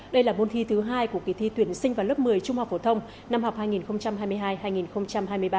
đây là môn thi thứ hai của kỳ thi tuyển sinh vào lớp một mươi trung học phổ thông năm học hai nghìn hai mươi hai hai nghìn hai mươi ba